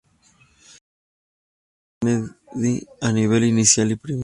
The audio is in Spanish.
Escuela Jhon F. Kennedy, niveles; Inicial y Primario.